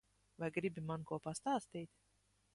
Vai gribi man ko pastāstīt?